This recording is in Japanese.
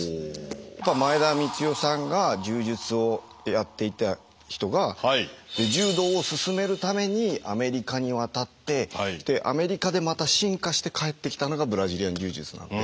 前田光世さんが柔術をやっていた人が柔道をすすめるためにアメリカに渡ってアメリカでまた進化して帰ってきたのがブラジリアン柔術なので。